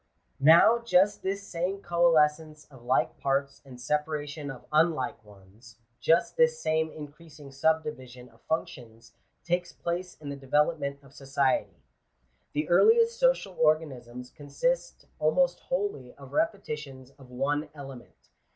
Now just this same coalescence of like parts, and separation of unlike ones — just this same increasing subdivision of func tions — takes place in the development of society. The earliest social organisms consist almost wholly of repetitions of one element.